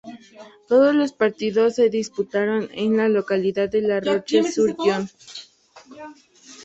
Todos los partidos se disputaron en la localidad de La Roche sur Yon.